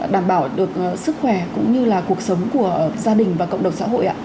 đảm bảo được sức khỏe cũng như là cuộc sống của gia đình và cộng đồng xã hội ạ